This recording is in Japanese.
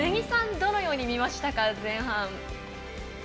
どのように見ましたか、前半。